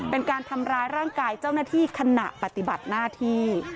เป็นการทำร้ายร่างกายเจ้าหน้าที่ขณะปฏิบัติหน้าที่